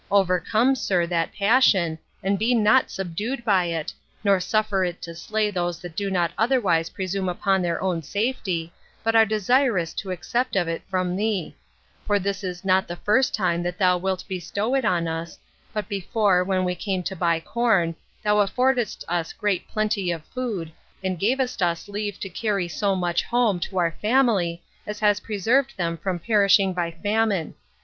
Overcome, sir, that passion, and be not subdued by it, nor suffer it to slay those that do not otherwise presume upon their own safety, but are desirous to accept of it from thee; for this is not the first time that thou wilt bestow it on us, but before, when we came to buy corn, thou affordedst us great plenty of food, and gavest us leave to carry so much home to our family as has preserved them from perishing by famine.